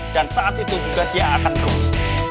dan saat itu juga dia akan run